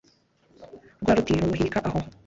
Rwa ruti rumuhirika aho